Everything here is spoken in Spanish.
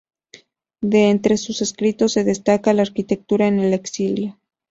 De entre sus escritos, se destaca "La arquitectura en el exilio".